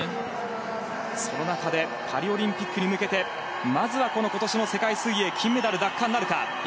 その中でパリオリンピックに向けてまずは今年の世界水泳金メダル奪還なるか。